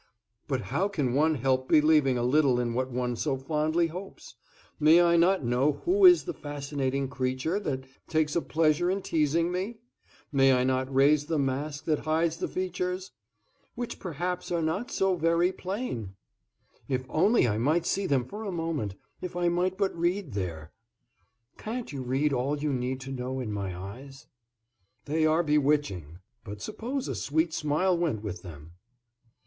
"But how can one help believing a little in what one so fondly hopes? May I not know who is the fascinating creature that takes a pleasure in teasing me? May I not raise the mask that hides the features " "Which perhaps are not so very plain!" "If only I might see them for a moment, if I might but read there!" "Can't you read all you need to know in my eyes?" "They are bewitching, but suppose a sweet smile went with them?"